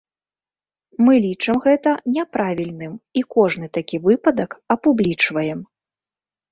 Мы лічым гэта няправільным і кожны такі выпадак апублічваем.